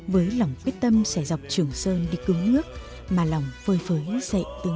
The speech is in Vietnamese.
với lòng quyết tâm sẽ dọc trường sơn đi cưỡng